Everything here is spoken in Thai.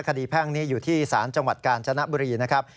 แพ่งนี้อยู่ที่ศาลจังหวัดกาญจนบุรีนะครับ